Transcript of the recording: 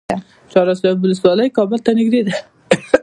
چهار اسیاب ولسوالۍ کابل ته نږدې ده؟